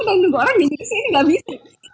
nunggu orangnya jadi sih ini gak bisa